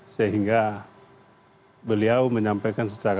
sehingga beliau menyampaikan secara